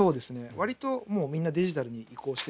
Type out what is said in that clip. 割ともうみんなデジタルに移行してる感じですね。